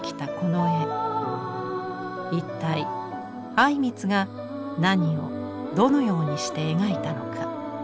一体靉光が何をどのようにして描いたのか。